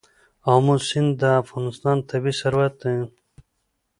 آمو سیند د افغانستان طبعي ثروت دی.